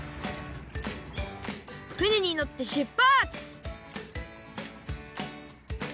船にのってしゅっぱつ！